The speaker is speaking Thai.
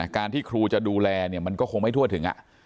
การที่ครูจะดูแลมันก็คงไม่ทั่วถึง